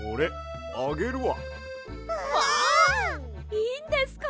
いいんですか！？